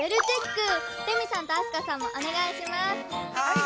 レミさんと明日香さんもおねがいします。